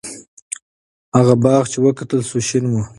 هغه باغ چې وکتل شو، شین و.